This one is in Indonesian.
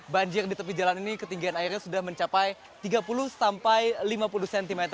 banjir di tepi jalan ini ketinggian airnya sudah mencapai tiga puluh sampai lima puluh cm